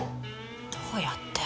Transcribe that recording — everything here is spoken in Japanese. どうやって？